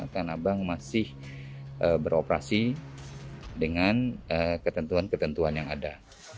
tanah abang masih beroperasi dengan ketentuan ketentuan yang ada